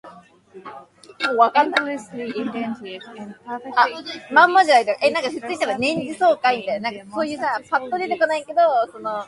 Endlessly inventive and perfectly executed, it deservedly became their most successful release.